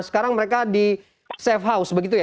sekarang mereka di safe house begitu ya